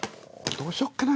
どうしよっかなぁ。